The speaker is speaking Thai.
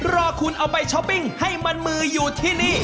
รอคุณเอาไปช้อปปิ้งให้มันมืออยู่ที่นี่